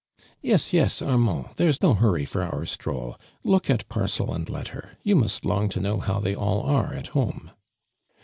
" Y'es, yes, Armand. There is no hui ry for our stroll. Look at parcel and lett.r. You must long to know how they all are at home."